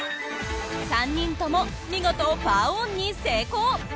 ３人とも見事パーオンに成功。